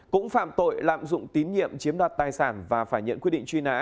cũng phạm tội lạm dụng tín nhiệm chiếm đoạt tài sản và phải nhận quyết định truy nã